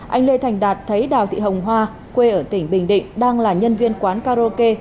anh lê thành đạt thấy đào thị hồng hoa quê ở tỉnh bình định đang là nhân viên quán karaoke